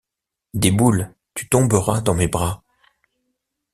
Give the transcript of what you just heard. Déboule, tu tomberas dans mes bras.